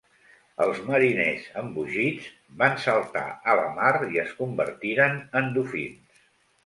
Els mariners, embogits, van saltar a la mar i es convertiren en dofins.